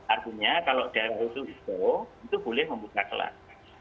artinya kalau dahulu itu boleh membuka kelas